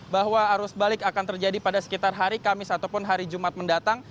bahwa arus balik akan terjadi pada sekitar hari kamis ataupun hari jumat mendatang